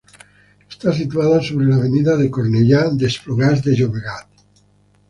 Está situada sobre la Avenida de Cornellá en Esplugas de Llobregat.